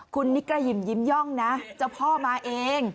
คุณนิกระหิมยิ้มย่องนะเจ้าพ่อมาเอง